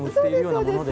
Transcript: そうです。